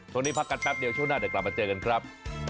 พักกันแป๊บเดียวช่วงหน้าเดี๋ยวกลับมาเจอกันครับ